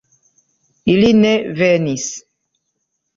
Ili ne venis